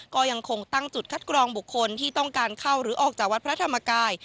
ก็ยังคงตั้งจุดคัดกรองบุคคลที่ต้องการเข้าหรือออกจากวัดพระธรรมกาย